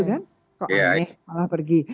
berapa dia malah pergi